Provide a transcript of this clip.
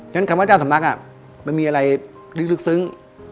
ฉะคำว่าเจ้าสำนักมันมีอะไรลึกซึ้ง